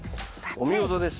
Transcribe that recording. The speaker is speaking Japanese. お見事です。